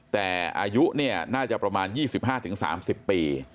แต่อายุน่าจะประมาณ๒๕๓๐ปี